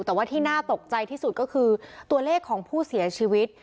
แต่ว่าที่น่าตกใจที่สุดก็คือตัวเลขของผู้เสียชีวิต